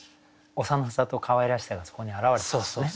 幼さとかわいらしさがそこに表れてますね。